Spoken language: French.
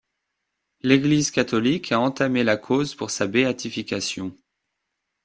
L'Église catholique a entamé la cause pour sa béatification.